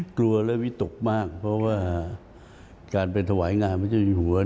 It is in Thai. กลัวและวิตกมากเพราะว่าการไปถวายงานพระเจ้าอยู่หัว